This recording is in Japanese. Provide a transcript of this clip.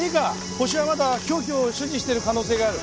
ホシはまだ凶器を所持している可能性がある。